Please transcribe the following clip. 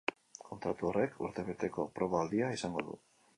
Kontratu horrek urtebeteko proba-aldia izango du.